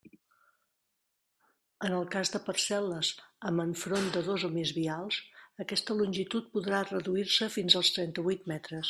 En el cas de parcel·les amb enfront de dos o més vials, aquesta longitud podrà reduir-se fins als trenta-huit metres.